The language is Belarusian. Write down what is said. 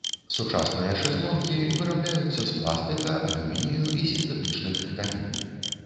Сучасныя шэзлонгі вырабляюцца з пластыка, алюмінію і сінтэтычных тканін.